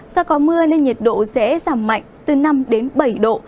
do có mưa nên nhiệt độ sẽ giảm mạnh từ năm đến bảy độ